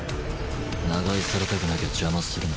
長居されたくなきゃ邪魔するな。